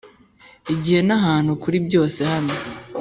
igihe n'ahantu kuri byose - hano